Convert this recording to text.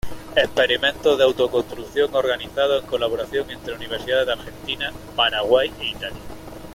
Experimentos de auto-construcción organizados en colaboración entre Universidades de Argentina, Paraguay e Italia.